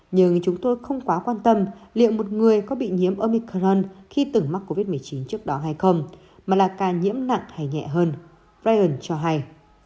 nhưng chúng tôi không quá quan tâm liệu một người có bị nhiễm omicron khi từng mắc covid một mươi chín trước đó hay không mà là ca nhiễm nặng hay nhẹ hơn byan cho hay